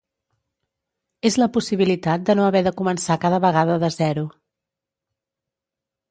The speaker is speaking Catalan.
És la possibilitat de no haver de començar cada vegada de zero.